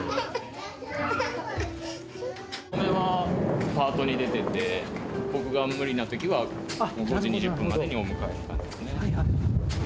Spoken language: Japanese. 嫁はパートに出てて僕が無理な時は５時２０分までにお迎えって感じですね。